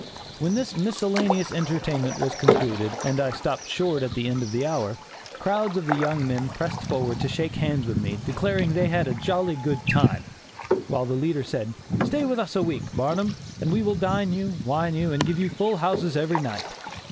When this miscellaneous entertainment was concluded, and I stopped short at the end of the hour, crowds of the young men pressed forward to shake hands with me, declaring that they had had a "jolly good time," while the leader said: "Stay with us a week, Barnum, and we will dine you, wine you, and give you full houses every night."